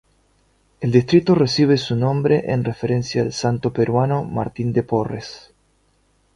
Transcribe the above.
El distrito recibe su nombre en referencia al santo peruano Martín de Porres.